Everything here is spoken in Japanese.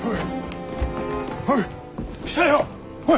おい。